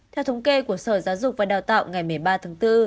theo thống kê của sở giáo dục và đào tạo ngày một mươi ba tháng bốn